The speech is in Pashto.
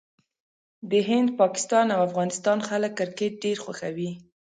د هند، پاکستان او افغانستان خلک کرکټ ډېر خوښوي.